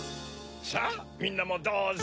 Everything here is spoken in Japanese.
さぁみんなもどうぞ。